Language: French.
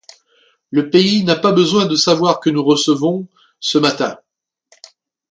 Le pays n’a pas besoin de savoir que nous recevons, ce matin.